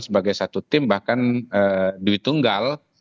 sebagai satu tim bahkan diitunggal